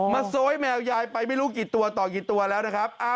โซยแมวยายไปไม่รู้กี่ตัวต่อกี่ตัวแล้วนะครับ